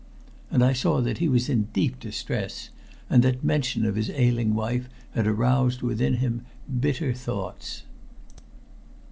And I saw that he was in deep distress, and that mention of his ailing wife had aroused within him bitter thoughts.